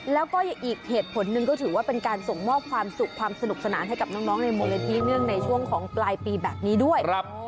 แล้วก็อีกเหตุผลหนึ่งก็ถือว่าเป็นการส่งมอบความสุขความสนุกสนานให้กับน้องในมูลนิธิเนื่องในช่วงของปลายปีแบบนี้ด้วย